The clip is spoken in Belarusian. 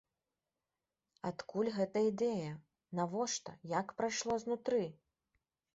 Адкуль гэтая ідэя, навошта, як прайшло знутры?